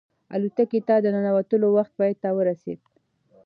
الوتکې ته د ننوتلو وخت پای ته ورسېد.